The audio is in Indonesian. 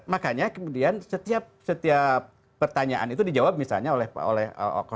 makanya kemudian setiap pertanyaan itu dijawab misalnya oleh satu